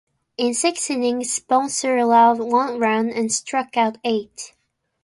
In six innings, Bonser allowed one run and struck out eight.